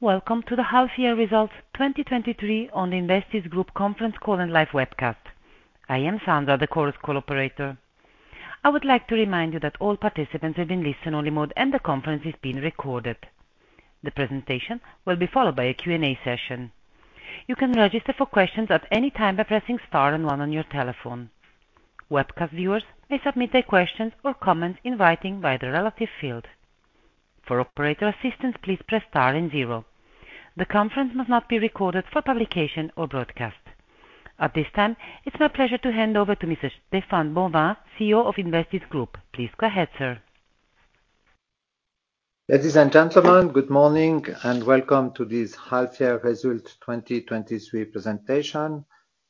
Welcome to the half year results 2023 on the Investis Group conference call and live webcast. I am Sandra, the conference call operator. I would like to remind you that all participants are in listen-only mode, and the conference is being recorded. The presentation will be followed by a Q&A session. You can register for questions at any time by pressing star and one on your telephone. Webcast viewers may submit their questions or comments in writing via the relevant field. For operator assistance, please press star and zero. The conference must not be recorded for publication or broadcast. At this time, it's my pleasure to hand over to Mr. Stéphane Bonvin, CEO of Investis Group. Please go ahead, sir. Ladies and gentlemen, good morning, and welcome to this half-year result 2023 presentation,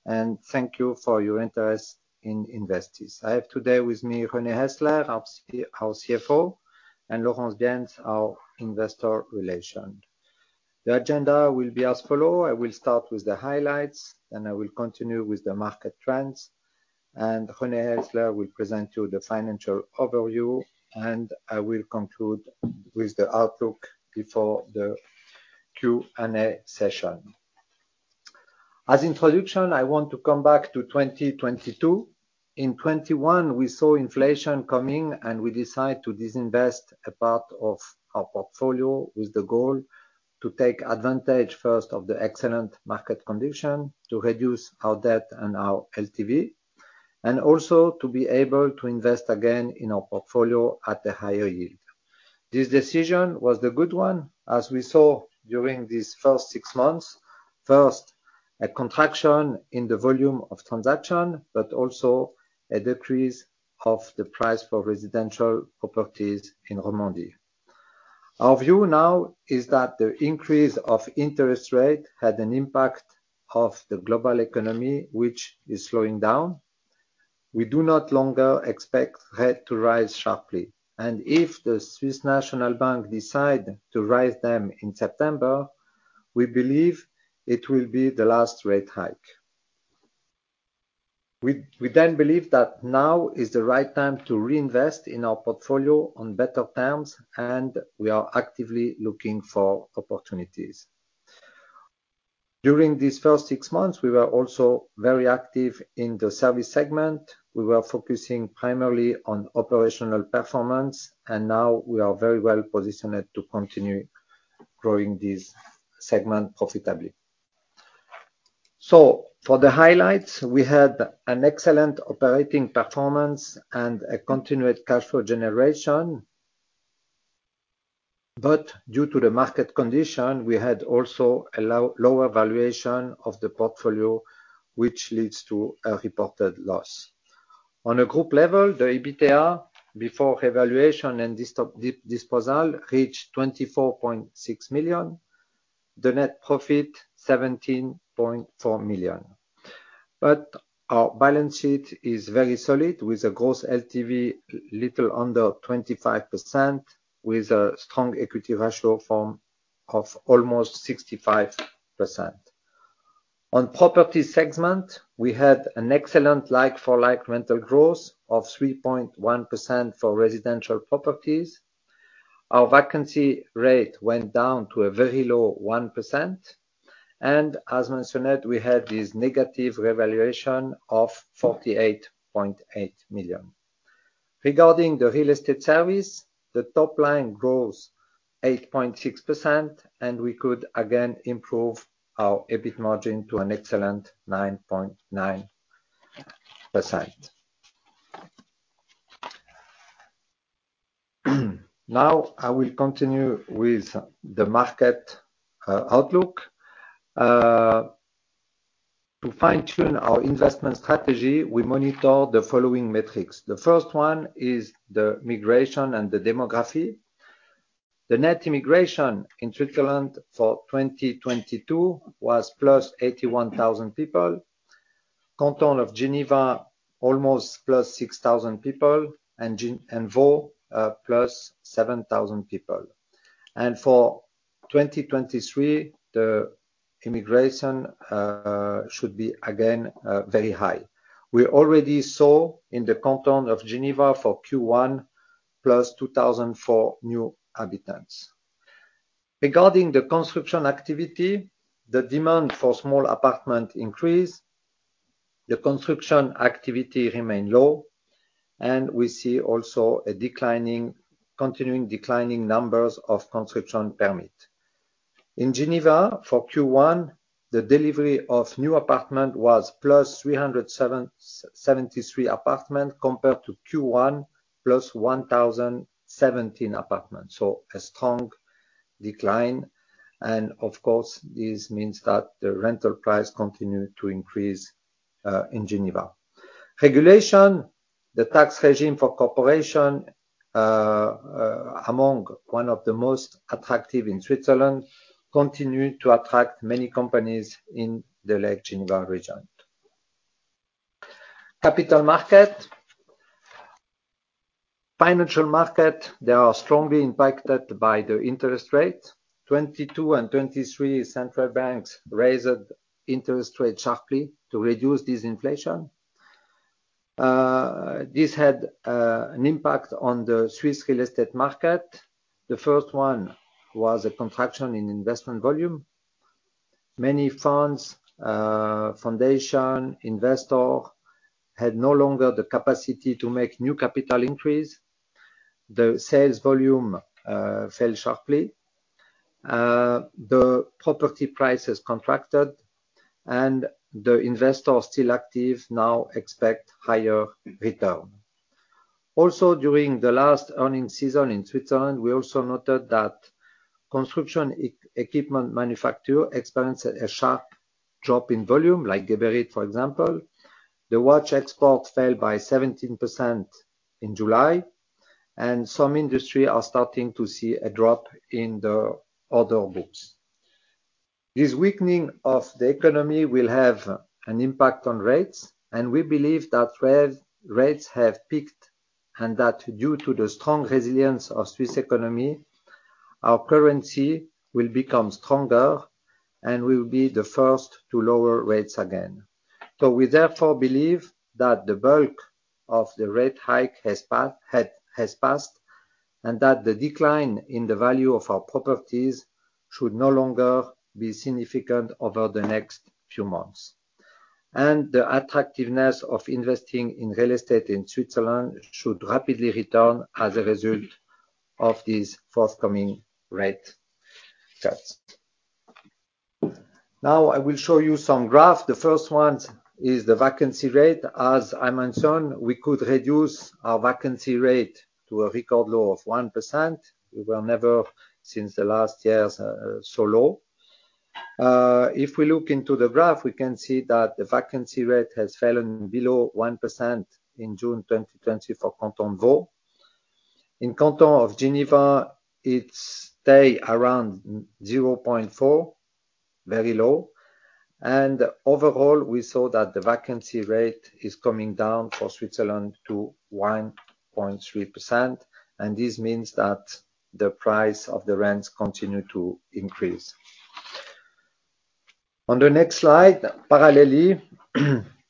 and thank you for your interest in Investis. I have today with me René Häsler, our CFO, and Laurence Bienz, our investor relations. The agenda will be as follows. I will start with the highlights, then I will continue with the market trends, and René Häsler will present to you the financial overview, and I will conclude with the outlook before the Q&A session. As introduction, I want to come back to 2022. In 2021, we saw inflation coming, and we decided to disinvest a part of our portfolio with the goal to take advantage first of the excellent market condition, to reduce our debt and our LTV, and also to be able to invest again in our portfolio at a higher yield. This decision was the good one, as we saw during these first six months. First, a contraction in the volume of transaction, but also a decrease of the price for residential properties in Romandie. Our view now is that the increase of interest rate had an impact of the global economy, which is slowing down. We no longer expect rate to rise sharply, and if the Swiss National Bank decide to rise them in September, we believe it will be the last rate hike. We then believe that now is the right time to reinvest in our portfolio on better terms, and we are actively looking for opportunities. During these first six months, we were also very active in the service segment. We were focusing primarily on operational performance, and now we are very well positioned to continue growing this segment profitably. So for the highlights, we had an excellent operating performance and a continued cash flow generation. But due to the market condition, we had also a lower valuation of the portfolio, which leads to a reported loss. On a group level, the EBITDA before revaluation and disposal reached 24.6 million. The net profit, 17.4 million. But our balance sheet is very solid, with a gross LTV little under 25%, with a strong equity ratio of almost 65%. On property segment, we had an excellent like-for-like rental growth of 3.1% for residential properties. Our vacancy rate went down to a very low 1%, and as mentioned, we had this negative revaluation of 48.8 million. Regarding the real estate service, the top line grows 8.6%, and we could again improve our EBIT margin to an excellent 9.9%. Now, I will continue with the market outlook. To fine-tune our investment strategy, we monitor the following metrics. The first one is the migration and the demography. The net immigration in Switzerland for 2022 was +81,000 people. Canton of Geneva, almost +6,000 people, and Canton of Vaud, +7,000 people. And for 2023, the immigration should be again very high. We already saw in the Canton of Geneva for Q1, +2,004 new inhabitants. Regarding the construction activity, the demand for small apartment increase, the construction activity remain low, and we see also a declining, continuing declining numbers of construction permit. In Geneva, for Q1, the delivery of new apartment was plus 373 apartments compared to Q1 plus 1,017 apartments. So a strong decline, and of course, this means that the rental price continued to increase in Geneva. Regulation, the tax regime for corporation among one of the most attractive in Switzerland, continued to attract many companies in the Lake Geneva region. Capital market. Financial market, they are strongly impacted by the interest rate. 2022 and 2023 central banks raised interest rates sharply to reduce this inflation. This had an impact on the Swiss real estate market. The first one was a contraction in investment volume. Many funds, foundation, investor, had no longer the capacity to make new capital increase. The sales volume fell sharply. The property prices contracted, and the investors still active now expect higher return. Also, during the last earnings season in Switzerland, we also noted that construction equipment manufacturer experienced a sharp drop in volume, like Geberit, for example. The watch exports fell by 17% in July, and some industry are starting to see a drop in the order books. This weakening of the economy will have an impact on rates, and we believe that rates have peaked, and that due to the strong resilience of Swiss economy, our currency will become stronger and will be the first to lower rates again. So we therefore believe that the bulk of the rate hike has passed, and that the decline in the value of our properties should no longer be significant over the next few months. The attractiveness of investing in real estate in Switzerland should rapidly return as a result of these forthcoming rate cuts. Now, I will show you some graphs. The first one is the vacancy rate. As I mentioned, we could reduce our vacancy rate to a record low of 1%. We were never, since the last years, so low. If we look into the graph, we can see that the vacancy rate has fallen below 1% in June 2020 for Canton of Vaud. In Canton of Geneva, it stay around zero point four, very low. And overall, we saw that the vacancy rate is coming down for Switzerland to 1.3%, and this means that the price of the rents continue to increase. On the next slide, parallelly,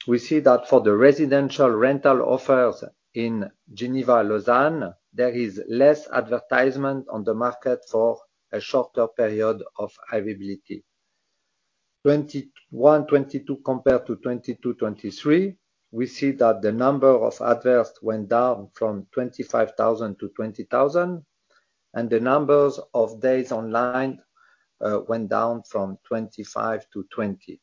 we see that for the residential rental offers in Geneva, Lausanne, there is less advertisement on the market for a shorter period of availability. 2021-2022 compared to 2022-2023, we see that the number of adverts went down from 25,000 to 20,000, and the numbers of days online, went down from 25 to 20.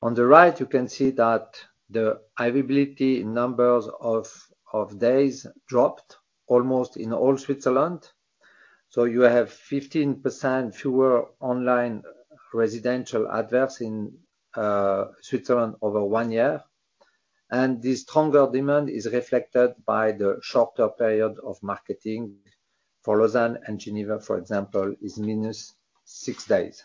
On the right, you can see that the availability numbers of, of days dropped almost in all Switzerland. So you have 15% fewer online residential adverts in, Switzerland over one year. And this stronger demand is reflected by the shorter period of marketing. For Lausanne and Geneva, for example, is -6 days.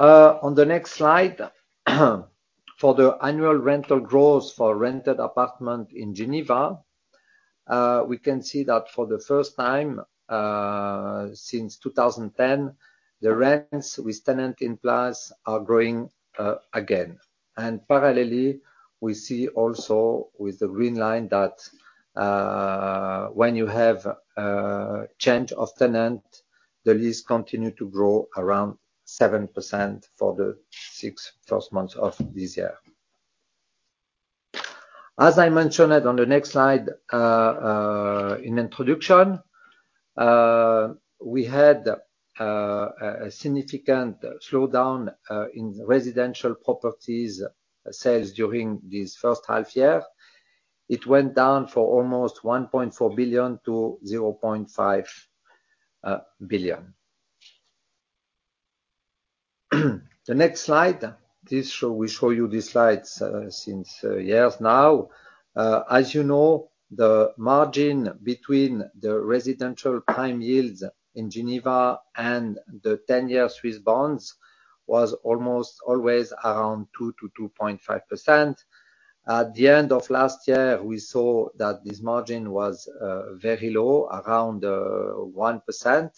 On the next slide, for the annual rental growth for rented apartment in Geneva, we can see that for the first time, since 2010, the rents with tenant in place are growing, again. And parallelly, we see also with the green line that, when you have a change of tenant, the lease continue to grow around 7% for the six first months of this year. As I mentioned it on the next slide, in introduction, we had a significant slowdown in residential properties sales during this first half year. It went down for almost 1.4 billion to 0.5 billion. The next slide. We show you these slides, since years now. As you know, the margin between the residential prime yields in Geneva and the 10-year Swiss bonds was almost always around 2-2.5%. At the end of last year, we saw that this margin was very low, around 1%,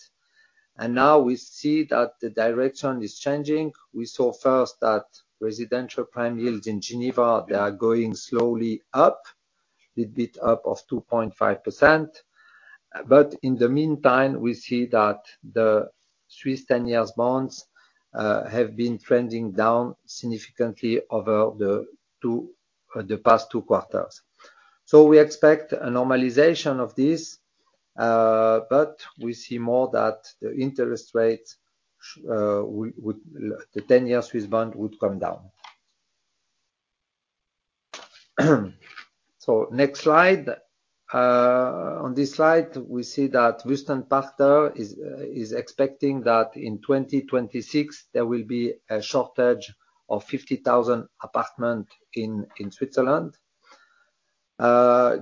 and now we see that the direction is changing. We saw first that residential prime yields in Geneva, they are going slowly up, a little bit up of 2.5%. But in the meantime, we see that the Swiss 10-year bonds have been trending down significantly over the past two quarters. So we expect a normalization of this, but we see more that the interest rates, the 10-year Swiss bond would come down. So next slide. On this slide, we see that Wüest Partner is expecting that in 2026, there will be a shortage of 50,000 apartments in Switzerland.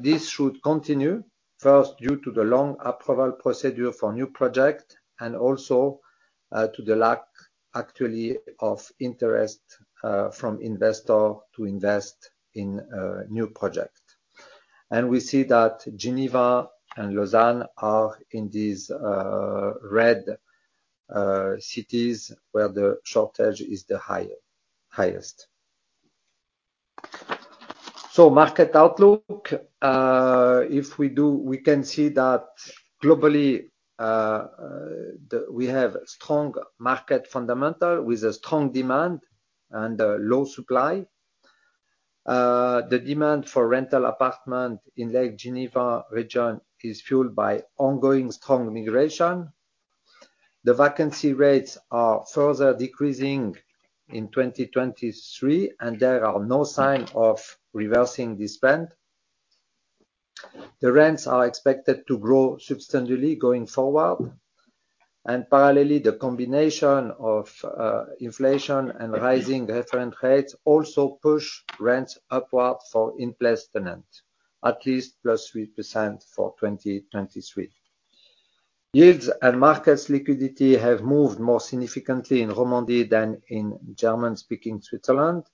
This should continue, first, due to the long approval procedure for new projects and also, actually, to the lack of interest from investors to invest in new projects. And we see that Geneva and Lausanne are in these red cities where the shortage is the higher, highest. So market outlook, if we do, we can see that globally, the—we have strong market fundamentals with a strong demand and a low supply. The demand for rental apartments in Lake Geneva region is fueled by ongoing strong migration. The vacancy rates are further decreasing in 2023, and there are no signs of reversing this trend. The rents are expected to grow substantially going forward. Parallelly, the combination of inflation and rising reference rates also push rents upward for in-place tenant, at least +3% for 2023. Yields and markets liquidity have moved more significantly in Romandie than in German-speaking Switzerland.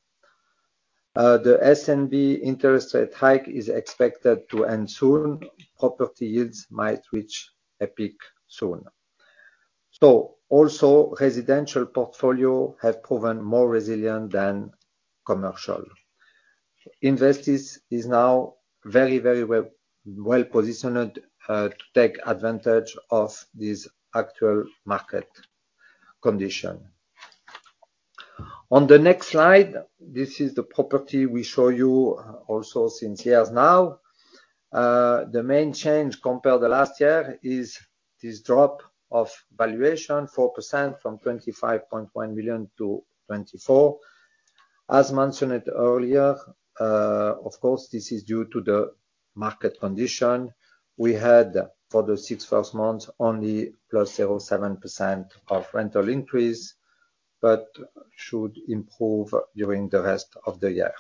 The SNB interest rate hike is expected to end soon. Property yields might reach a peak soon. Also, residential portfolio have proven more resilient than commercial. Investis is now very, very well, well-positioned to take advantage of this actual market condition. On the next slide, this is the property we show you also since years now. The main change compared to last year is this drop of valuation, 4% from 25.1 million to 24 million. As mentioned earlier, of course, this is due to the market condition. We had, for the six first months, only +0.7% of rental increase, but should improve during the rest of the year.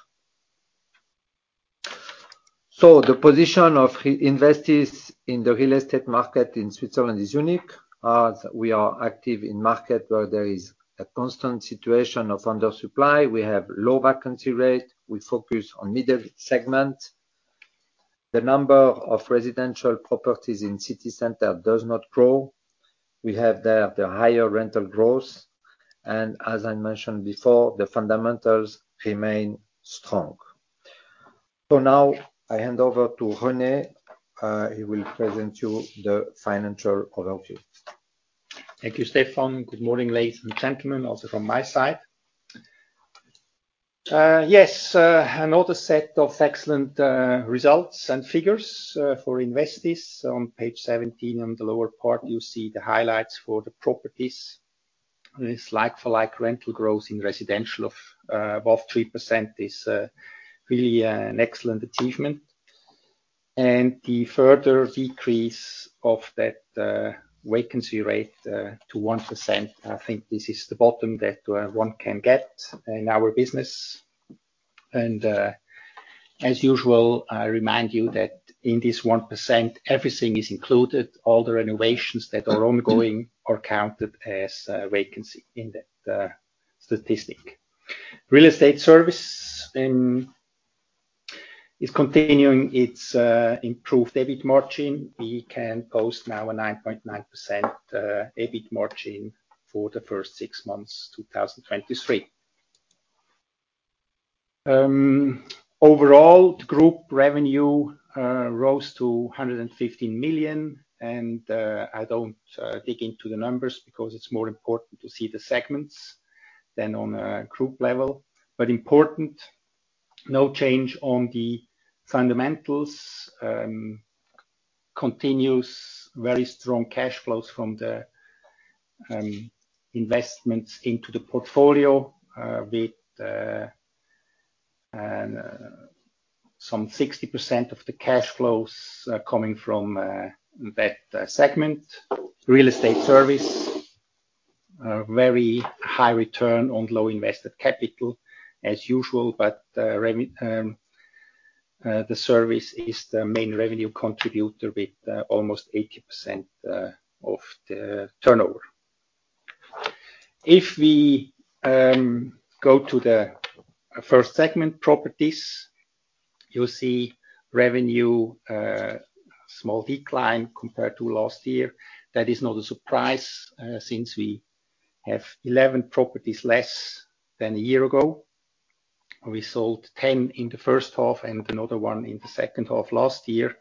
So the position of Investis in the real estate market in Switzerland is unique, as we are active in market where there is a constant situation of under supply. We have low vacancy rate. We focus on middle segment. The number of residential properties in city center does not grow. We have the higher rental growth, and as I mentioned before, the fundamentals remain strong. So now I hand over to René. He will present you the financial overview. Thank you, Stéphane. Good morning, ladies and gentlemen, also from my side. Yes, another set of excellent results and figures for Investis. On page 17, on the lower part, you see the highlights for the properties. This like-for-like rental growth in residential of above 3% is really an excellent achievement. And the further decrease of that vacancy rate to 1%, I think this is the bottom that one can get in our business. And as usual, I remind you that in this 1%, everything is included. All the renovations that are ongoing are counted as vacancy in that statistic. Real estate service is continuing its improved EBIT margin. We can post now a 9.9% EBIT margin for the first six months, 2023. Overall, group revenue rose to 115 million, and I don't dig into the numbers because it's more important to see the segments than on a group level. But important, no change on the fundamentals. Continuous, very strong cash flows from the investments into the portfolio, with some 60% of the cash flows coming from that segment. Real estate service, a very high return on low invested capital, as usual, but the service is the main revenue contributor with almost 80% of the turnover. If we go to the first segment, properties, you'll see revenue small decline compared to last year. That is not a surprise, since we have 11 properties less than a year ago. We sold 10 in the first half and another 1 in the second half last year.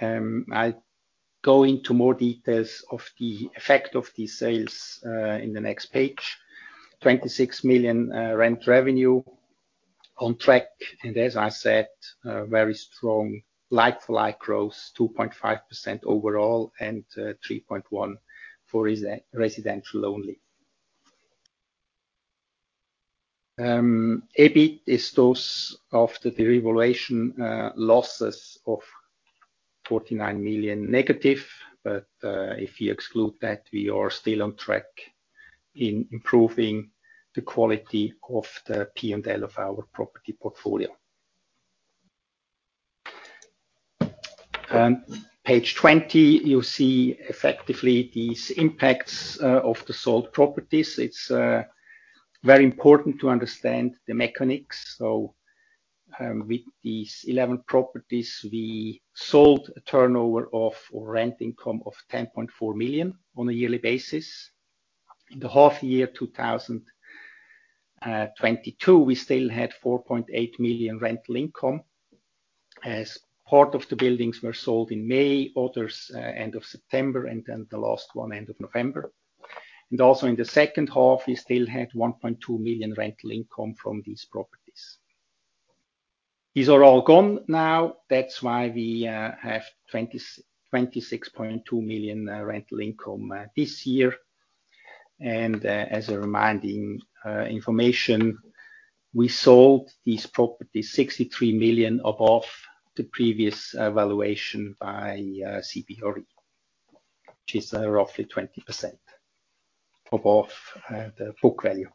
I'll go into more details of the effect of these sales in the next page. 26 million rent revenue on track, and as I said, a very strong like-for-like growth, 2.5% overall, and 3.1% for residential only. EBIT is this after the revaluation losses of 49 million negative, but if you exclude that, we are still on track in improving the quality of the P&L of our property portfolio. Page 20, you'll see effectively these impacts of the sold properties. It's very important to understand the mechanics. So, with these 11 properties, we sold a turnover of or rent income of 10.4 million on a yearly basis. In the half year 2022, we still had 4.8 million rental income, as part of the buildings were sold in May, others end of September, and then the last one end of November. Also in the second half, we still had 1.2 million rental income from these properties. These are all gone now. That's why we have 26.2 million rental income this year. As a reminding information, we sold these properties 63 million above the previous valuation by CBRE, which is roughly 20% above the book value.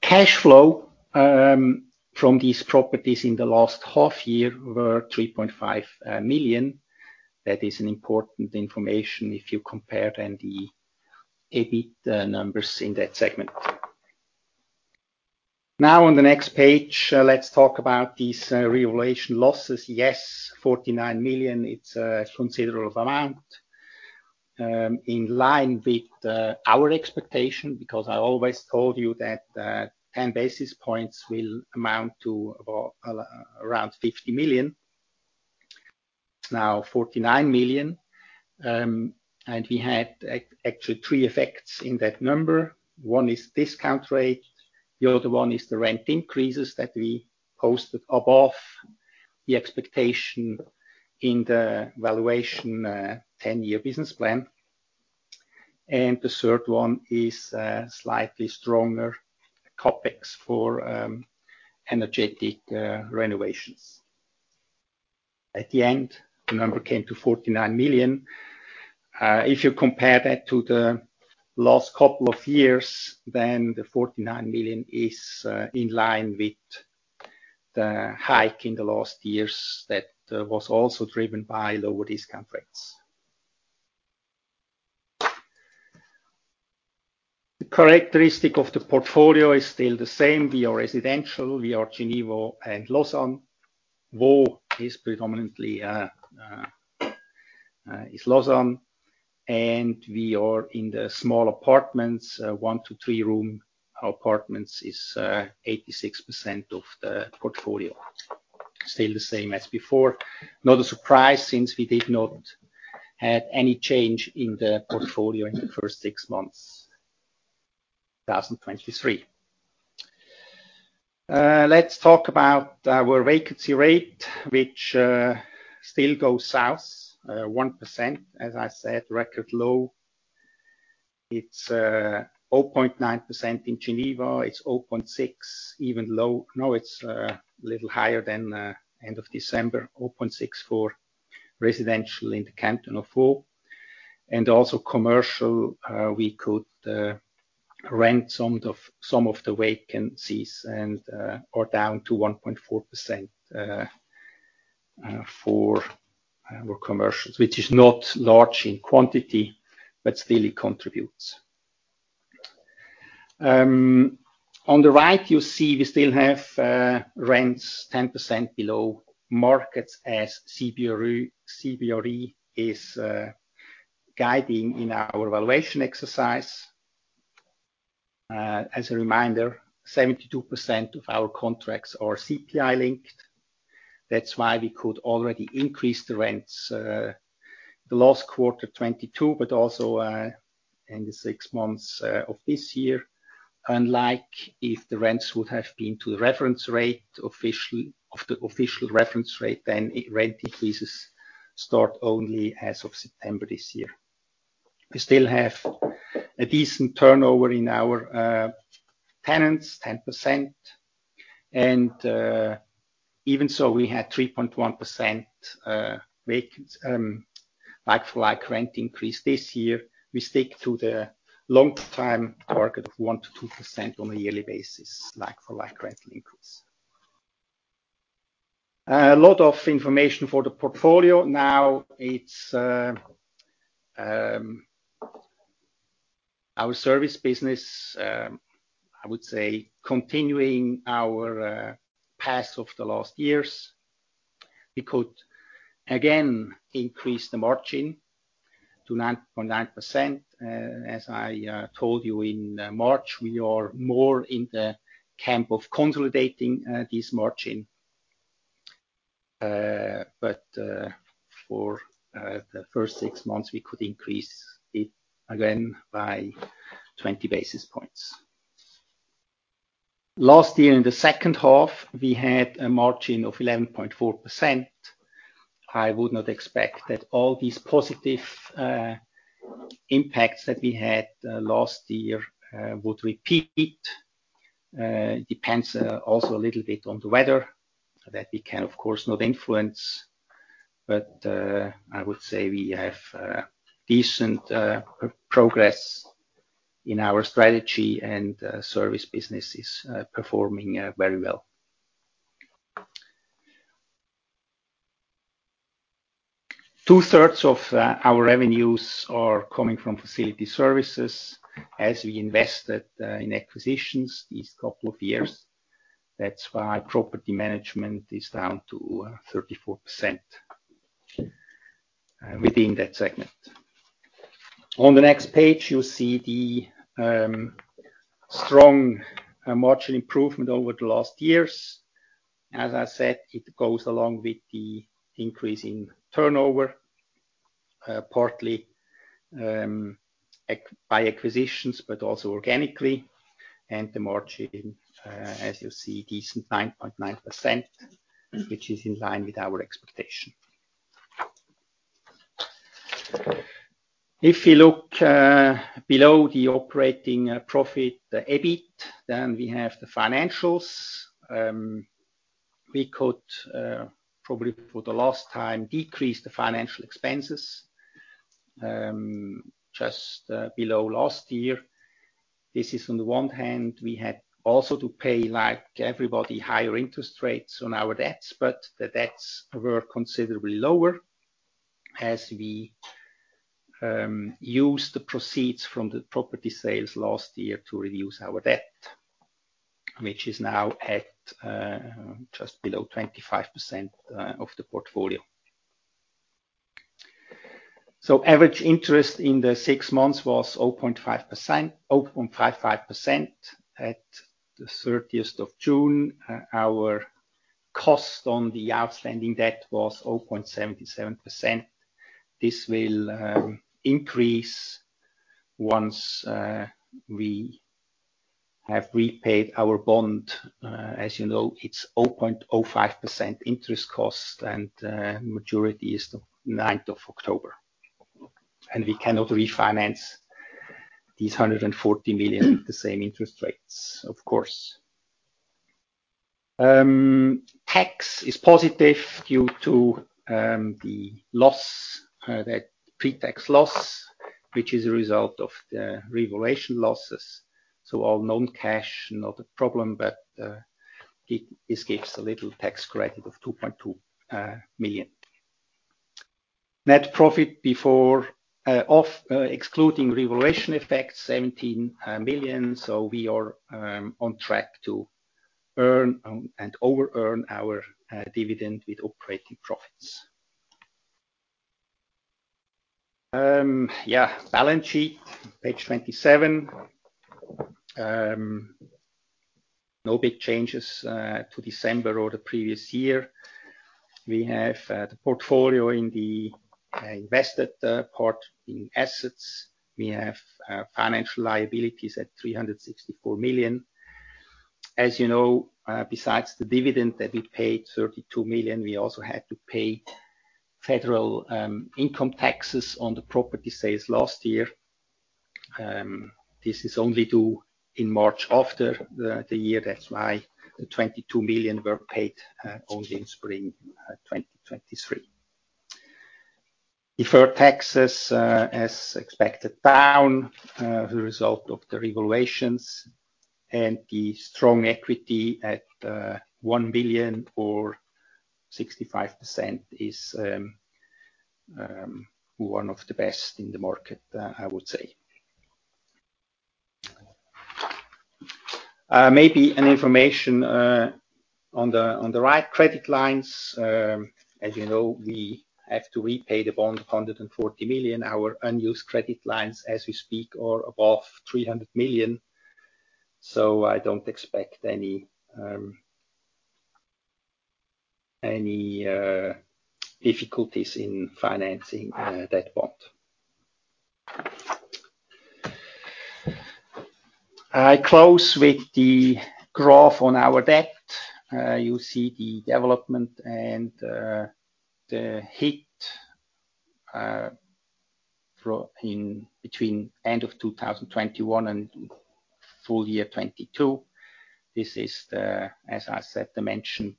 Cash flow from these properties in the last half year were 3.5 million. That is an important information if you compare then the EBIT numbers in that segment. Now, on the next page, let's talk about these revaluation losses. Yes, 49 million, it's a considerable amount, in line with our expectation, because I always told you that 10 basis points will amount to about around 50 million. Now, 49 million, and we had actually three effects in that number. One is discount rate, the other one is the rent increases that we posted above the expectation in the valuation 10-year business plan. And the third one is a slightly stronger CapEx for energetic renovations. At the end, the number came to 49 million. If you compare that to the last couple of years, then the 49 million is in line with the hike in the last years that was also driven by lower discount rates. The characteristic of the portfolio is still the same. We are residential, we are Geneva and Lausanne. Vaud is predominantly is Lausanne, and we are in the small apartments, one to three room. Our apartments is 86% of the portfolio. Still the same as before. Not a surprise, since we did not have any change in the portfolio in the first six months, 2023. Let's talk about our vacancy rate, which still goes south. 1%, as I said, record low. It's 0.9% in Geneva. It's 0.6, even low... No, it's a little higher than end of December, 0.6 for residential in the Canton of Vaud. And also commercial, we could rent some of the vacancies, and are down to 1.4% for our commercials, which is not large in quantity, but still it contributes. On the right, you see we still have rents 10% below markets as CBRE is guiding in our valuation exercise. As a reminder, 72% of our contracts are CPI-linked. That's why we could already increase the rents the last quarter, 2022, but also in the six months of this year. Unlike if the rents would have been to the official reference rate, then rent increases start only as of September this year. We still have a decent turnover in our tenants, 10%, and even so, we had 3.1% vacant like-for-like rent increase this year. We stick to the long-time target of 1%-2% on a yearly basis, like-for-like rent increase. A lot of information for the portfolio. Now, it's our service business. I would say, continuing our path of the last years. We could again increase the margin to 9.9%. As I told you in March, we are more in the camp of consolidating this margin. But for the first six months, we could increase it again by 20 basis points. Last year, in the second half, we had a margin of 11.4%. I would not expect that all these positive impacts that we had last year would repeat. It depends also a little bit on the weather, that we can, of course, not influence, but I would say we have decent progress in our strategy, and service business is performing very well. Two-thirds of our revenues are coming from facility services as we invested in acquisitions these couple of years. That's why property management is down to 34% within that segment. On the next page, you'll see the strong margin improvement over the last years. As I said, it goes along with the increase in turnover, partly by acquisitions, but also organically. And the margin, as you see, decent 9.9%, which is in line with our expectation. If you look below the operating profit, the EBIT, then we have the financials. We could probably for the last time decrease the financial expenses just below last year. This is on the one hand, we had also to pay, like everybody, higher interest rates on our debts, but the debts were considerably lower as we used the proceeds from the property sales last year to reduce our debt, which is now at just below 25% of the portfolio. So average interest in the six months was 0.5%, 0.55%. At the 30th of June, our cost on the outstanding debt was 0.77%. This will increase once we have repaid our bond. As you know, it's 0.05% interest cost, and maturity is the 9th of October. We cannot refinance these 140 million with the same interest rates, of course. Tax is positive due to the loss that pre-tax loss, which is a result of the revaluation losses. So all non-cash, not a problem, but it gives a little tax credit of 2.2 million. Net profit before excluding revaluation effects, 17 million. So we are on track to earn and over-earn our dividend with operating profits. Yeah, balance sheet, page 27. No big changes to December or the previous year. We have the portfolio in the invested part in assets. We have financial liabilities at 364 million. As you know, besides the dividend that we paid, 32 million, we also had to pay federal income taxes on the property sales last year. This is only due in March after the year. That's why the 22 million were paid only in spring 2023. Deferred taxes, as expected, down as a result of the revaluations and the strong equity at 1 billion or 65% is one of the best in the market, I would say. Maybe an information on the right credit lines. As you know, we have to repay the bond, 140 million. Our unused credit lines as we speak are above 300 million, so I don't expect any difficulties in financing that bond. I close with the graph on our debt. You see the development and the hit in between end of 2021 and full year 2022. This is the, as I said, I mentioned,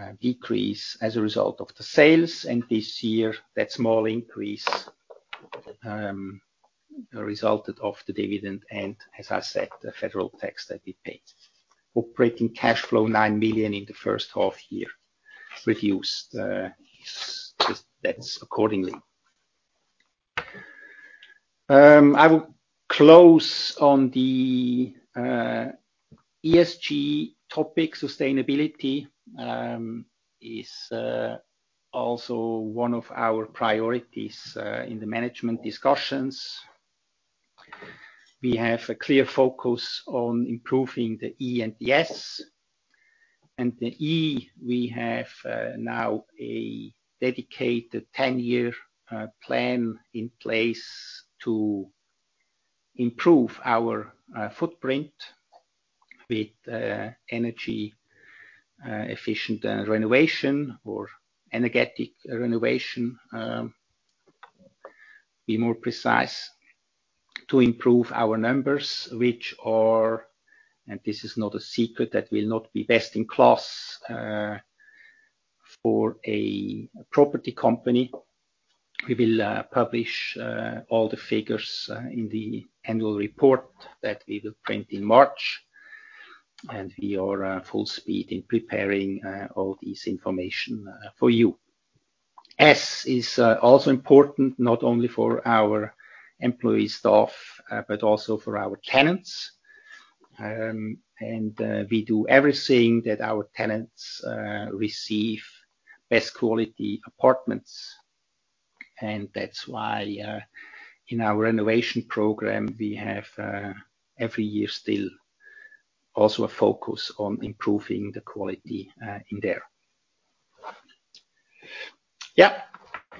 a decrease as a result of the sales, and this year, that small increase resulted of the dividend and, as I said, the federal tax that we paid. Operating cash flow, 9 million in the first half year, reduced just that's accordingly. I will close on the ESG topic. Sustainability is also one of our priorities in the management discussions. We have a clear focus on improving the E and the S. And the E, we have now a dedicated 10-year plan in place to improve our footprint with energy efficient renovation or energetic renovation. Be more precise, to improve our numbers, which are, and this is not a secret, that will not be best in class for a property company. We will publish all the figures in the annual report that we will print in March, and we are full speed in preparing all this information for you. ESG is also important, not only for our employee staff, but also for our tenants. And we do everything that our tenants receive best quality apartments. And that's why, in our renovation program, we have every year still also a focus on improving the quality in there. Yeah.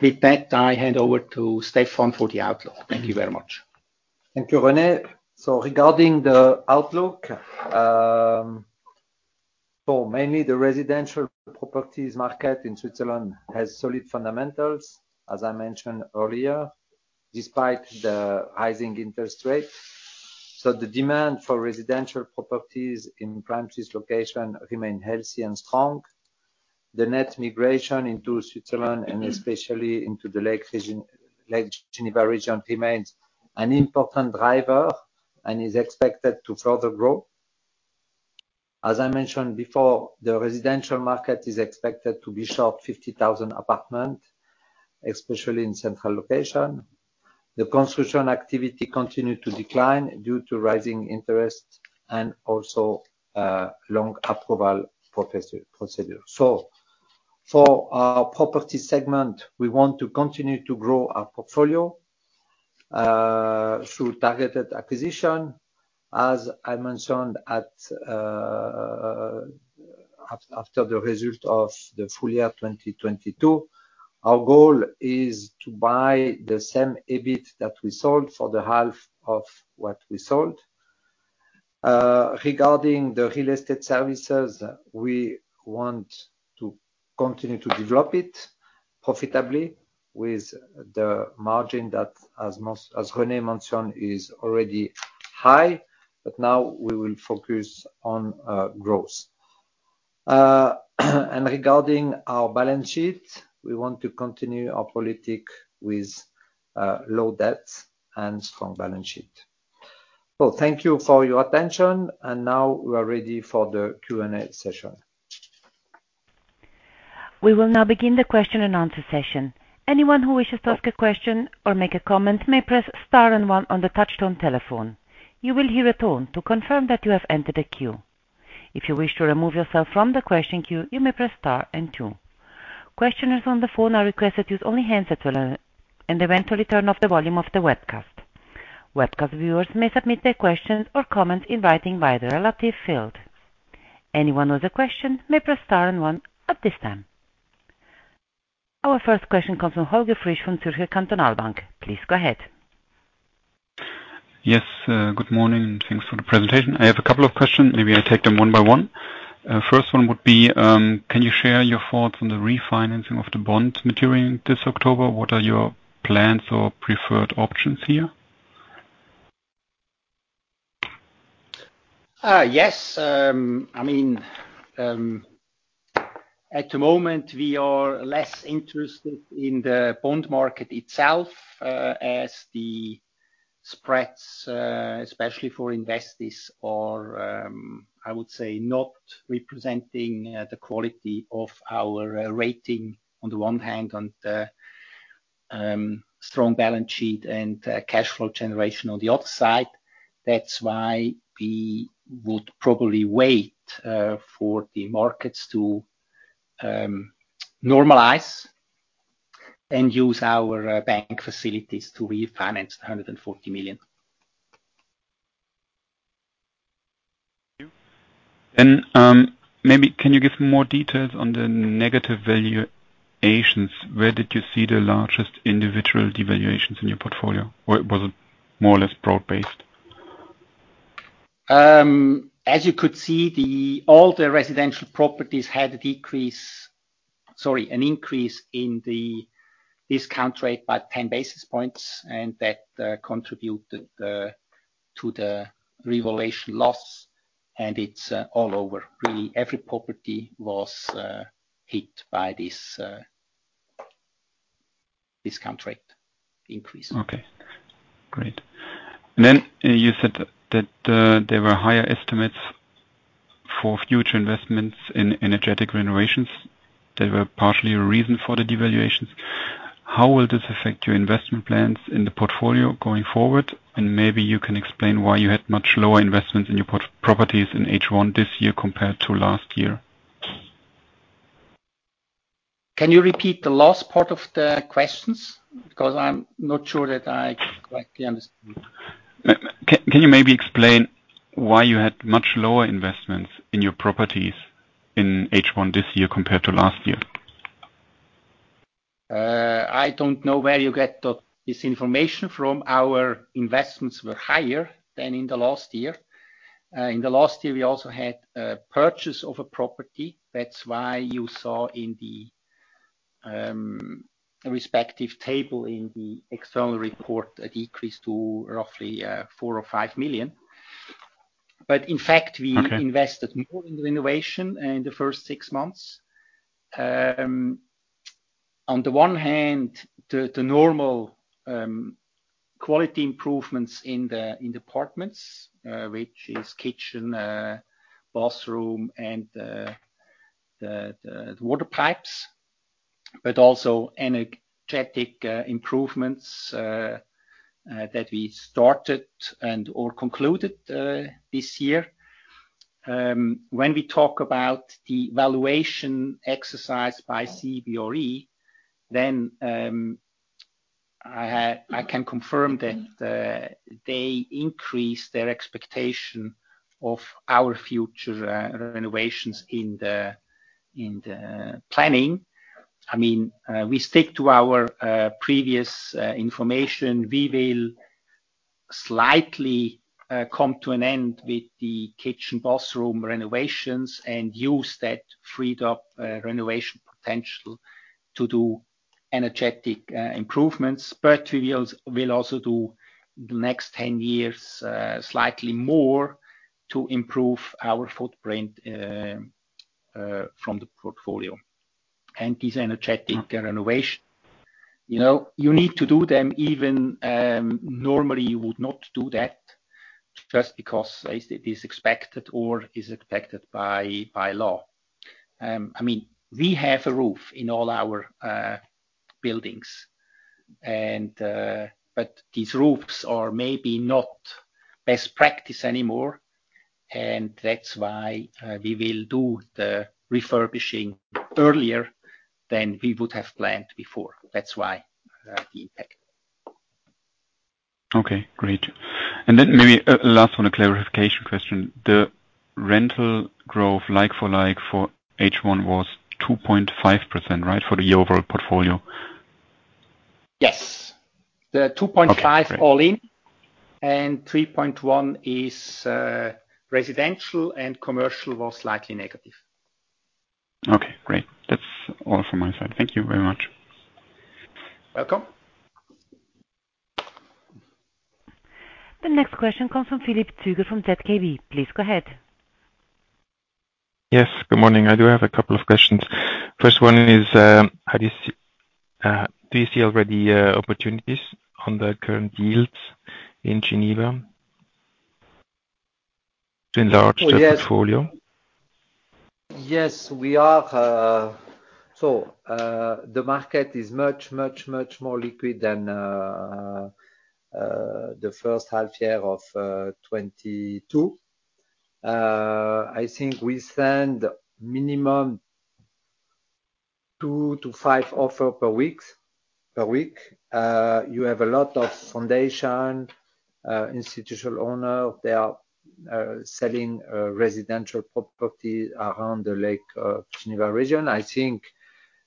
With that, I hand over to Stéphane for the outlook. Thank you very much. Thank you, René. So regarding the outlook, so mainly the residential properties market in Switzerland has solid fundamentals, as I mentioned earlier, despite the rising interest rates. So the demand for residential properties in prime city location remain healthy and strong. The net migration into Switzerland, and especially into the Lake Geneva region, remains an important driver and is expected to further grow. As I mentioned before, the residential market is expected to be short 50,000 apartment, especially in central location. The construction activity continued to decline due to rising interest and also, long approval procedure. So for our property segment, we want to continue to grow our portfolio, through targeted acquisition. As I mentioned at... After the results of the full year 2022, our goal is to buy the same EBIT that we sold for the half of what we sold. Regarding the real estate services, we want to continue to develop it profitably with the margin that as most, as René mentioned, is already high, but now we will focus on growth. And regarding our balance sheet, we want to continue our policy with low debt and strong balance sheet. Well, thank you for your attention, and now we are ready for the Q&A session. We will now begin the question and answer session. Anyone who wishes to ask a question or make a comment may press star and one on the touchtone telephone. You will hear a tone to confirm that you have entered a queue. If you wish to remove yourself from the question queue, you may press star and two. Questioners on the phone are requested to use only handsets alone, and eventually turn off the volume of the webcast. Webcast viewers may submit their questions or comments in writing via the relative field. Anyone with a question may press star and one at this time. Our first question comes from Holger Frisch from Zürcher Kantonalbank. Please go ahead. Yes, good morning, and thanks for the presentation. I have a couple of questions. Maybe I'll take them one by one. First one would be, can you share your thoughts on the refinancing of the bond maturing this October? What are your plans or preferred options here? Yes. I mean, at the moment, we are less interested in the bond market itself, as the spreads, especially for investors are, I would say, not representing the quality of our rating on the one hand, on the strong balance sheet and cash flow generation on the other side. That's why we would probably wait for the markets to normalize and use our bank facilities to refinance the 140 million. Thank you. And, maybe can you give more details on the negative valuations? Where did you see the largest individual devaluations in your portfolio, or was it more or less broad-based? As you could see, all the residential properties had a decrease, sorry, an increase in the discount rate by 10 basis points, and that contributed to the revaluation loss, and it's all over. Really, every property was hit by this discount rate increase. Okay, great. And then you said that there were higher estimates for future investments in energetic renovations. They were partially a reason for the devaluations. How will this affect your investment plans in the portfolio going forward? And maybe you can explain why you had much lower investments in your properties in H1 this year compared to last year? Can you repeat the last part of the questions? Because I'm not sure that I correctly understood. Can you maybe explain why you had much lower investments in your properties in H1 this year compared to last year? I don't know where you get this information from. Our investments were higher than in the last year. In the last year, we also had a purchase of a property. That's why you saw in a respective table in the external report, a decrease to roughly 4 million or 5 million. But in fact- Okay We invested more in the renovation in the first 6 months. On the one hand, the normal quality improvements in the apartments, which is kitchen, bathroom, and the water pipes, but also energetic improvements that we started and or concluded this year. When we talk about the valuation exercise by CBRE, then I can confirm that they increased their expectation of our future renovations in the planning. I mean, we stick to our previous information. We will slightly come to an end with the kitchen, bathroom renovations and use that freed up renovation potential to do energetic improvements. But we will also do the next 10 years slightly more to improve our footprint from the portfolio. These energy renovations, you know, you need to do them even normally you would not do that just because it is expected or is expected by law. I mean, we have a roof in all our buildings, and but these roofs are maybe not best practice anymore, and that's why we will do the refurbishing earlier than we would have planned before. That's why the impact. Okay, great. And then maybe, last one, a clarification question. The rental growth like for like for H1 was 2.5%, right? For the year overall portfolio. Yes. The 2.5- Okay, great. all in, and 3.1 is residential, and commercial was slightly negative. Okay, great. That's all from my side. Thank you very much. Welcome. The next question comes from Philipp Zucker from ZKB. Please go ahead. Yes, good morning. I do have a couple of questions. First one is, how do you see do you see already, opportunities on the current yields in Geneva to enlarge the portfolio? Yes, we are. So, the market is much, much, much more liquid than the first half year of 2022. I think we send minimum 2-5 offers per week. You have a lot of foundation institutional owners. They are selling residential properties around the Lake Geneva region. I think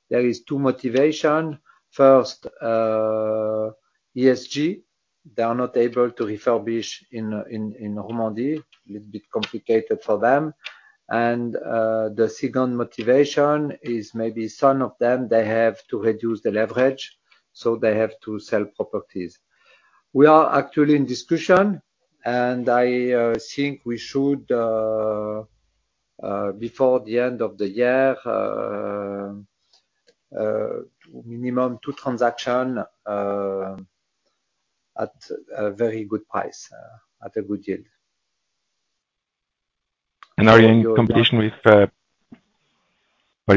there are two motivations. First, ESG, they are not able to refurbish in Romandie. A little bit complicated for them. And the second motivation is maybe some of them, they have to reduce the leverage, so they have to sell properties. We are actually in discussion, and I think we should before the end of the year minimum 2 transactions at a very good price, at a good yield. Are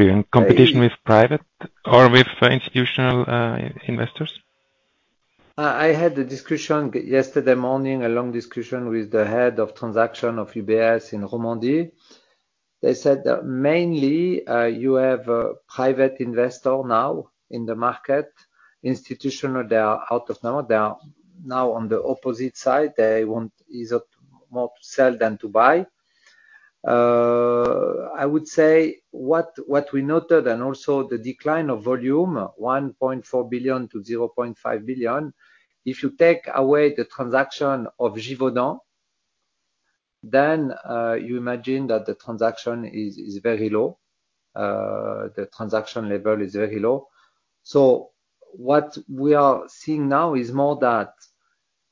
you in competition with private or with institutional investors? I had a discussion yesterday morning, a long discussion with the head of transaction of UBS in Romandie. They said that mainly, you have a private investor now in the market. Institutional, they are out of now. They are now on the opposite side. They want either more to sell than to buy. I would say what, what we noted and also the decline of volume, 1.4 billion-0.5 billion. If you take away the transaction of Givaudan, then, you imagine that the transaction is, is very low. The transaction level is very low. So what we are seeing now is more that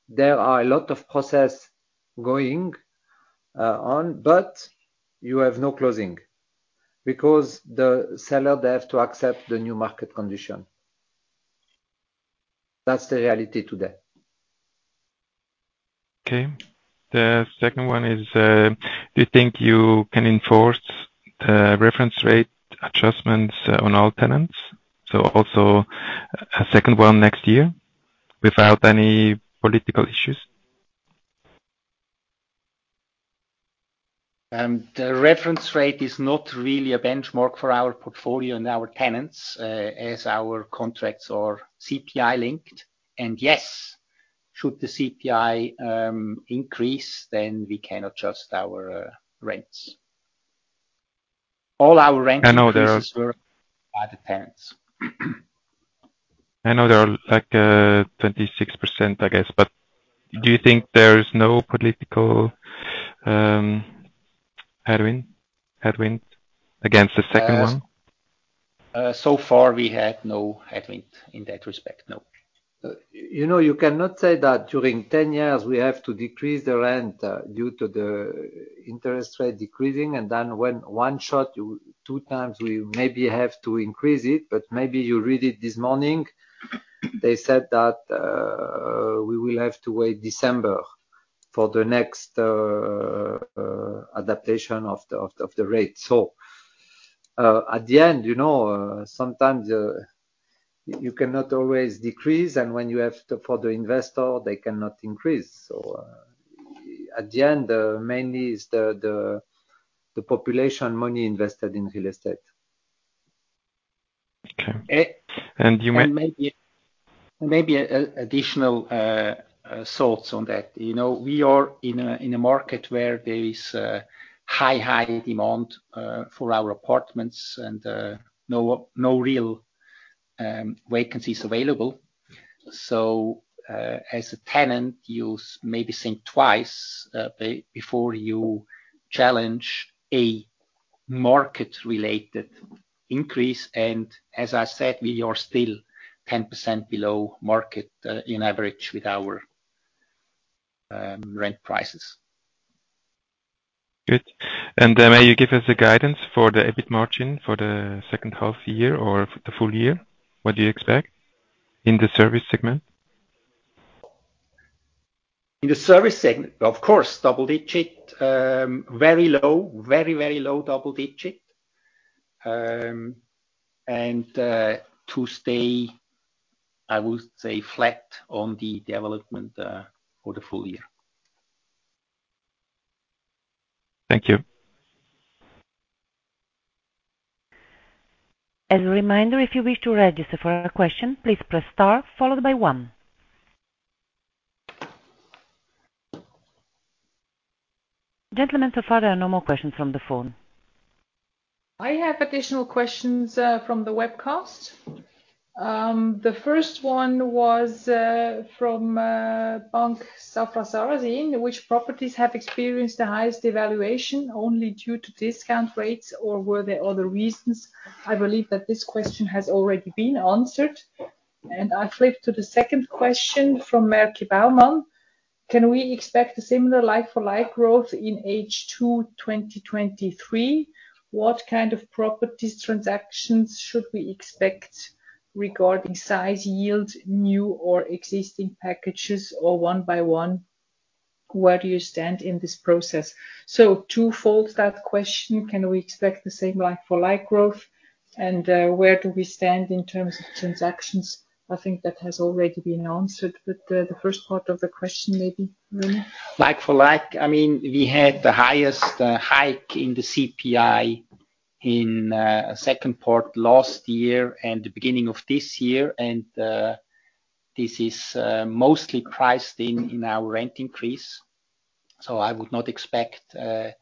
there are a lot of process going on, but you have no closing because the seller, they have to accept the new market condition. That's the reality today. Okay. The second one is, do you think you can enforce, reference rate adjustments on all tenants? So also a second one next year, without any political issues? The reference rate is not really a benchmark for our portfolio and our tenants, as our contracts are CPI-linked. And yes, should the CPI increase, then we can adjust our rents. All our rent increases- I know there are- -by the tenants. I know there are like 26%, I guess, but do you think there is no political headwind, headwind against the second one? So far, we had no headwind in that respect, no. You know, you cannot say that during 10 years we have to decrease the rent due to the interest rate decreasing, and then when one shot, you two times, we maybe have to increase it, but maybe you read it this morning. They said that we will have to wait December for the next adaptation of the rate. So, at the end, you know, sometimes you cannot always decrease, and when you have to, for the investor, they cannot increase. So, at the end, mainly is the population money invested in real estate. Okay. And you might- And maybe additional thoughts on that. You know, we are in a market where there is high demand for our apartments and no real vacancies available. So, as a tenant, you maybe think twice before you challenge a market-related increase, and as I said, we are still 10% below market in average with our rent prices. Good. And, may you give us a guidance for the EBIT margin for the second half year or the full year? What do you expect in the service segment? In the service segment, of course, double digit, very low, very, very low double digit. To stay, I would say, flat on the development for the full year. Thank you. As a reminder, if you wish to register for a question, please press Star followed by one. Gentlemen, so far, there are no more questions from the phone. I have additional questions from the webcast. The first one was from J. Safra Sarasin: Which properties have experienced the highest evaluation, only due to discount rates, or were there other reasons? I believe that this question has already been answered. I flip to the second question from Maerki Baumann: Can we expect a similar like-for-like growth in H2, 2023? What kind of properties, transactions should we expect regarding size, yield, new or existing packages, or one by one, where do you stand in this process? So two folds, that question, can we expect the same like-for-like growth, and where do we stand in terms of transactions? I think that has already been answered, but the first part of the question, maybe, René? Like for like, I mean, we had the highest hike in the CPI in second part last year and the beginning of this year, and this is mostly priced in, in our rent increase. So I would not expect a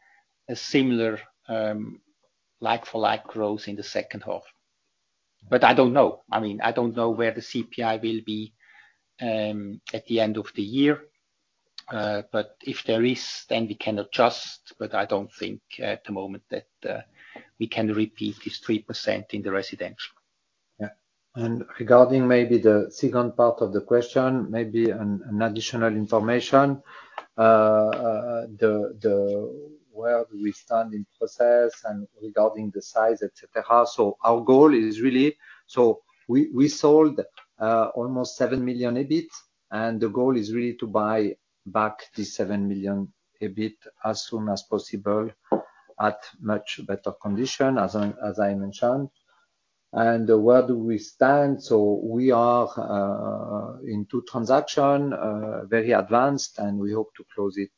similar like-for-like growth in the second half. But I don't know. I mean, I don't know where the CPI will be at the end of the year, but if there is, then we can adjust, but I don't think at the moment that we can repeat this 3% in the residential. Yeah. And regarding maybe the second part of the question, maybe an additional information, the where do we stand in process and regarding the size, etc. So our goal is really... So we sold almost 7 million EBIT, and the goal is really to buy back this 7 million EBIT as soon as possible at much better condition, as I mentioned. And where do we stand? So we are in two transactions very advanced, and we hope to close it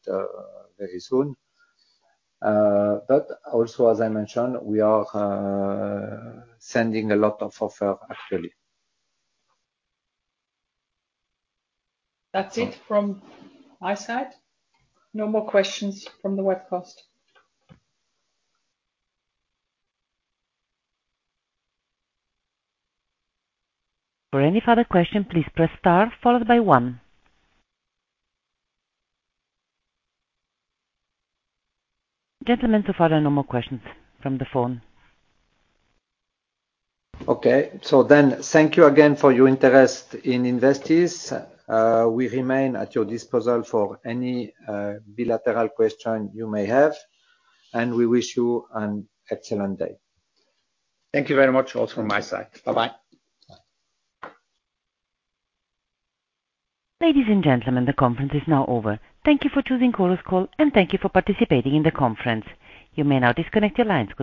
very soon. But also, as I mentioned, we are sending a lot of offers, actually. That's it from my side. No more questions from the webcast. For any further question, please press Star followed by one. Gentlemen, so far, there are no more questions from the phone. Okay. Thank you again for your interest in Investis. We remain at your disposal for any bilateral question you may have, and we wish you an excellent day. Thank you very much also on my side. Bye-bye. Bye. Ladies and gentlemen, the conference is now over. Thank you for choosing Chorus Call, and thank you for participating in the conference. You may now disconnect your lines. Goodbye.